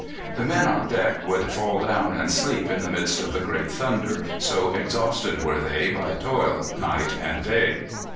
The men on deck would fall down and sleep in the midst of the great thunder, so exhausted were they by toil night and day.